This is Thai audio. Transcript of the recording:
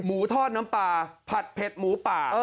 ทอดน้ำปลาผัดเผ็ดหมูป่า